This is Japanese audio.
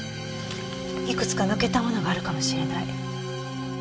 いくつか抜けたものがあるかもしれない。